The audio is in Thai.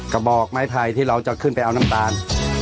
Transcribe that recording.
กระบอกไม้ไผ่ที่เราจะขึ้นไปเอาน้ำตาล